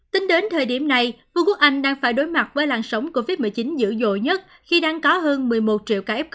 tính đến thời điểm này vương quốc anh đang phải đối mặt với làn sóng covid một mươi chín dữ dội nhất khi đang có hơn một mươi một triệu ca f